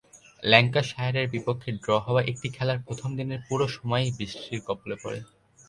ল্যাঙ্কাশায়ারের বিপক্ষে ড্র হওয়া একটি খেলার প্রথম-দিনের পুরো সময়ই বৃষ্টির কবলে পড়ে।